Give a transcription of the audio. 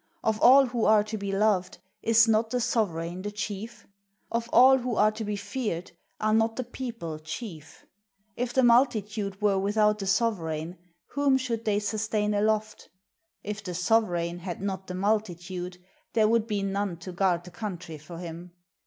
Of all who are to be loved, is not the sovereign the chief? Of all who are to be feared, are not the people chief ? If the multitude were without the sovereign, whom should they sustain aloft? If the sov ereign had not the multitude, there would be none to guard the country for him.